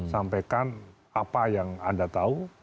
sampaikan apa yang anda tahu